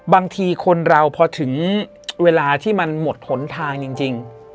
บางทีคนเราพอถึงเวลาที่มันหมดหนทางจริง